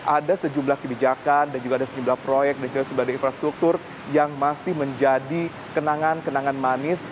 ada sejumlah kebijakan dan juga ada sejumlah proyek dan juga sejumlah infrastruktur yang masih menjadi kenangan kenangan manis